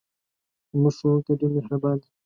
زموږ ښوونکی ډېر مهربان دی.